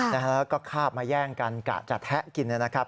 แล้วก็คาบมาแย่งกันกะจะแทะกินนะครับ